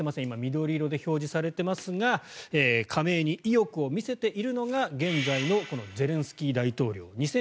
今、緑色で表示されていますが加盟に意欲を見せているのが現在のゼレンスキー大統領。